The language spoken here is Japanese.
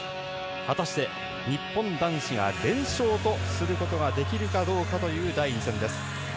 果たして、日本男子が連勝とすることができるかどうかという第２戦です。